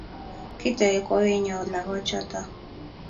Kitooy koiwenyoo lagoochoto